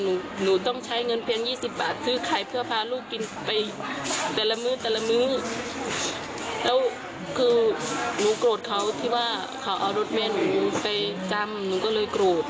หนูหนูต้องใช้เงินเพียงยี่สิบบาทซื้อขายเพื่อพาลูกกินไปแต่ละมื้อแต่ละมื้อแล้วคือหนูโกรธเขาที่ว่าเขาเอารถแม่หนูไปจำหนูก็เลยโกรธ